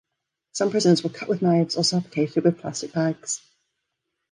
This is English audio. Some prisoners were cut with knives or suffocated with plastic bags.